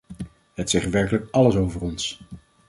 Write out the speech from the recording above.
Het zegt werkelijk alles over ons.